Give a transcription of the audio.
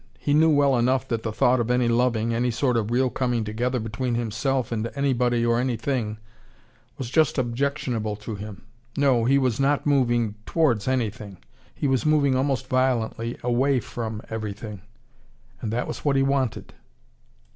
He knew well enough that the thought of any loving, any sort of real coming together between himself and anybody or anything, was just objectionable to him. No he was not moving towards anything: he was moving almost violently away from everything. And that was what he wanted.